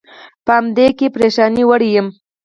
په همدې کې پرېشانۍ وړی یم.